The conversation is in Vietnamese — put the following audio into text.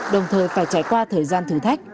đồng thời phải trải qua thời gian thử thách